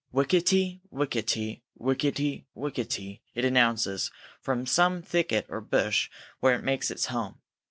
Wichity, wichity, wichity, wichity, it announces from some thicket or bush where it makes its home.